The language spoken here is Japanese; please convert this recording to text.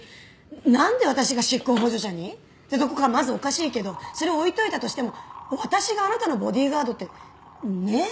なんで私が執行補助者に？ってとこからまずおかしいけどそれを置いといたとしても私があなたのボディーガードってねえ？